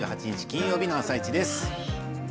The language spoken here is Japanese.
金曜日の「あさイチ」です。